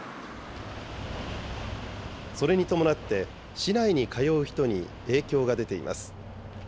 それに伴って、市内に通う人に影響が出ています。